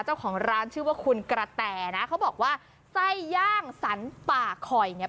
เจ้าของร้านชื่อว่าคุณกระแต่นะเขาบอกว่าไส้ย่างสรรป่าคอยเนี่ย